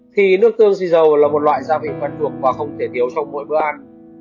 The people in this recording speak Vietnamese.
khi nước tương xì dầu là một loại gia vị quen thuộc và không thể thiếu trong mỗi bữa ăn